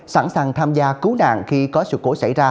sẵn sàng tham gia cứu nạn khi có sự cố